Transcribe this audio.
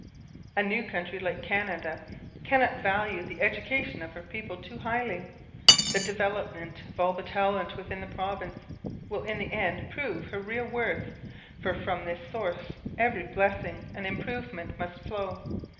A new country like Canada cannot value the education of her people too highly. The development of all the talent within the province will in the end prove her real worth, for from this source every blessing and improvement must flow.